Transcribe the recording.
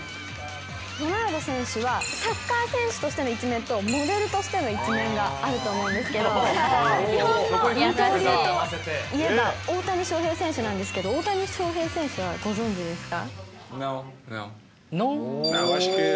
ロナウド選手はサッカー選手としての一面と、モデルとしての一面があると思うんですけど、日本の二刀流といえば大谷翔平選手なんですけれども、大谷翔平選手はご存じですか？